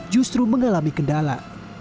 justru mengalami kendala